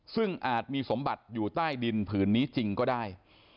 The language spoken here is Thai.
ซึ่งอาจมีสมบัติอยู่ใต้ดินผืนนี้จริงก็ได้